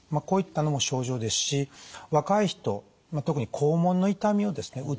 こういったのも症状ですし若い人特に肛門の痛みをですね